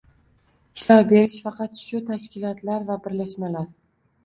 ishlov berish faqat shu tashkilotlar va birlashmalar